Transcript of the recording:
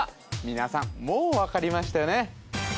皆さんもう分かりましたよね